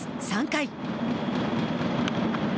３回。